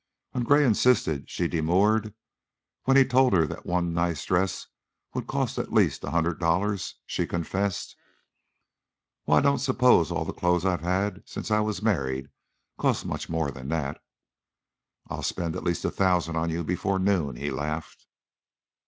When Gray insisted she demurred; when he told her that one nice dress would cost at least a hundred dollars, she confessed: "Why, I don't s'pose all the clo's I've had since I was married cost much more 'n that." "I'll spend at least a thousand on you before noon," he laughed.